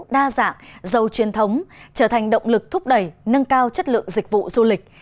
đa dạng giàu truyền thống trở thành động lực thúc đẩy nâng cao chất lượng dịch vụ du lịch